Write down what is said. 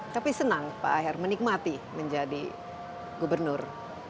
tapi senang pak aher menikmati menjadi gubernur